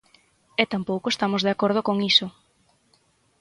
E tampouco estamos de acordo con iso.